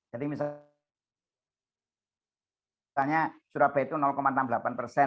jadi misalnya surabaya itu enam puluh delapan persen